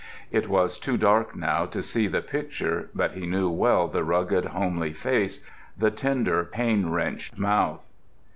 It was too dark now to see the picture but he knew well the rugged, homely face, the tender, pain wrenched mouth.